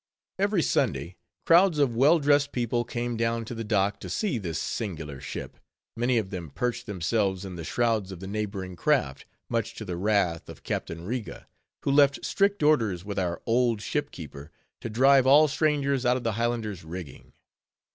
Every Sunday, crowds of well dressed people came down to the dock to see this singular ship; many of them perched themselves in the shrouds of the neighboring craft, much to the wrath of Captain Riga, who left strict orders with our old ship keeper, to drive all strangers out of the Highlander's rigging.